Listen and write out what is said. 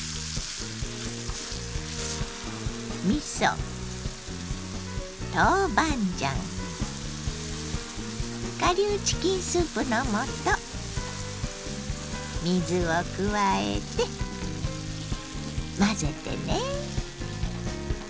みそ豆板醤顆粒チキンスープの素水を加えて混ぜてね。